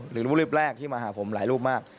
หรือรูปแรกที่มาหาผมมาก